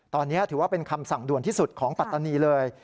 ตอนนี้ถือว่าเป็นคำสั่งด่วนที่สุดของปัตตานีเลย